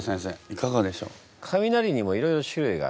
いかがでしょう？